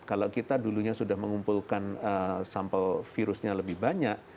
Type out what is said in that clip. kalau kita dulunya sudah mengumpulkan sampel virusnya lebih banyak